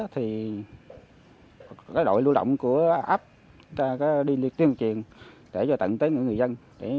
thì đội lưu động của ấp đi liệt tuyên truyền để tận tới người dân